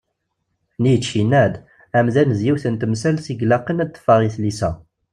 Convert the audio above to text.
Nietzsche yenna-d: Amdan d yiwet n temsalt i ilaqen ad teffeɣ i tlisa.